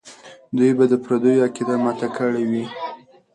دوی به د پردیو عقیده ماته کړې وي.